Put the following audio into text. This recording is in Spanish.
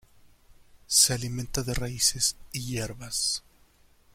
Se alimenta de raíces y hierbas.